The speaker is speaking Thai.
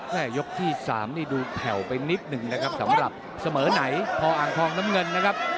ยกที่๓นี่ดูแผ่วไปนิดหนึ่งนะครับสำหรับเสมอไหนพออ่างทองน้ำเงินนะครับ